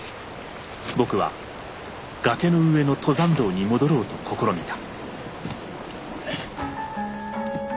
僕は崖の上の登山道に戻ろうと試みた。